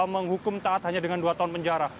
menghukum taat hanya dengan dua tahun penjara